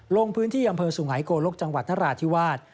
ลงพื้นที่อำเภอสุหายโกลกจังหวัดนราธิวาส